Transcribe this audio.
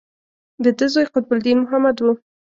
د ده زوی قطب الدین محمد و.